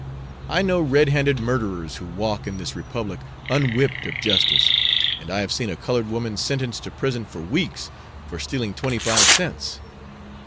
I know red handed murderers who walk in this Republic unwhipped of justice, and I have seen a colored woman sentenced to prison for weeks for stealing twenty five cents.